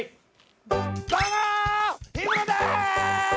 どうも、日村でーす！